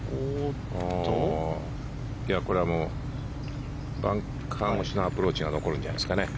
これバンカー越しのアプローチが残るんじゃないですかね。